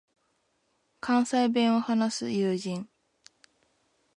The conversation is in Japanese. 関西弁を話す友人